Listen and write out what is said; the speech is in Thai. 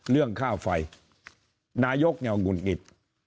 เรื่องค่าไฟนายกเนี่ยหงุดหงิด